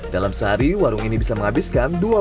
dalam sehari warung ini bisa menghabiskan